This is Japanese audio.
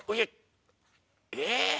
えっ⁉